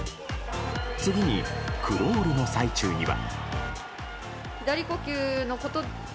次に、クロールの最中には。